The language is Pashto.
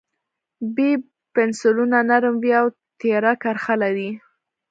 B پنسلونه نرم وي او تېره کرښه لري.